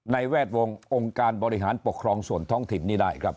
แวดวงองค์การบริหารปกครองส่วนท้องถิ่นนี้ได้ครับ